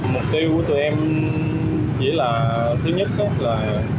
mục tiêu của tụi em chỉ là thứ nhất là